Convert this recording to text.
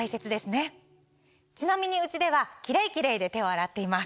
ちなみにうちではキレイキレイで手を洗っています。